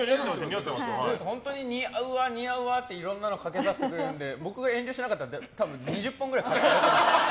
本当に似合うわ、似合うわっていろんなのかけさせてくれるので僕が遠慮しなかったら２０本くらい買ってくれてました。